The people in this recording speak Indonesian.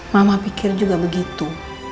mama pikir juga begitu